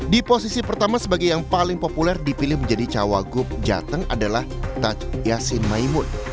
di posisi pertama sebagai yang paling populer dipilih menjadi cawagup jateng adalah taj yasin maimun